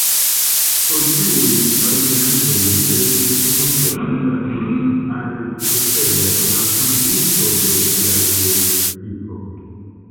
Pro tiuj argumentoj li estis konsiderata de Aristotelo la fondinto de dialektiko.